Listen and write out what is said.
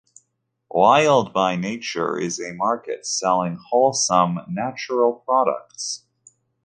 Wild by Nature is a market selling wholesome, natural products.